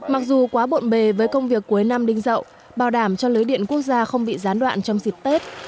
mặc dù quá bộn bề với công việc cuối năm đinh dậu bảo đảm cho lưới điện quốc gia không bị gián đoạn trong dịp tết